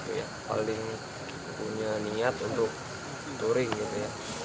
karena ia diduga mengalami kecelakaan pekan lalu